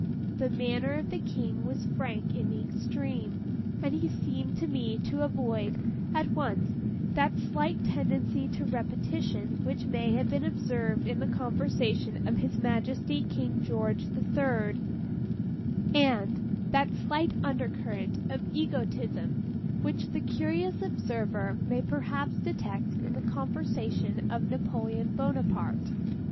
The manner of the King was frank in the extreme; and he seemed to me to avoid, at once that slight tendency to repetition which may have been observed in the conversation of His Majesty King George the Third, and—that slight under current of egotism which the curious observer may perhaps detect in the conversation of Napoleon Bonaparte.